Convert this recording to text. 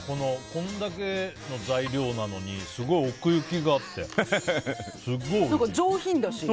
これだけの材料なのにすごい奥行きがあってすごいおいしい。